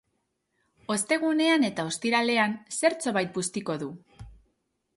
Ostegunean eta ostiralean zertxobait bustiko du.